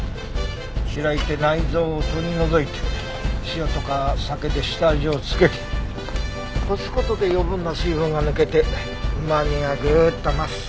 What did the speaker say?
開いて内臓を取り除いて塩とか酒で下味をつけて干す事で余分な水分が抜けてうまみがぐっと増す。